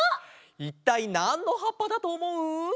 いったいなんのはっぱだとおもう？